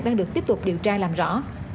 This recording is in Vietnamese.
đang được tiếp tục điều tra làm rõ